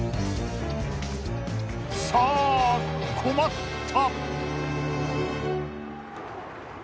さあ困った。